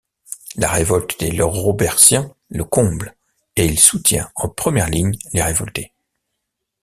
La révolte des Robertiens le comble et il soutient en première ligne les révoltés.